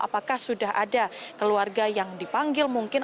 apakah sudah ada keluarga yang dipanggil mungkin